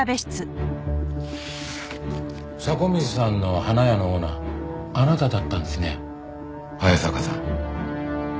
迫水さんの花屋のオーナーあなただったんですね早坂さん。